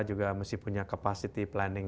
juga mesti punya capacity planning